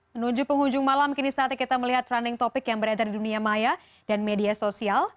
menuju penghujung malam kini saatnya kita melihat running topic yang beredar di dunia maya dan media sosial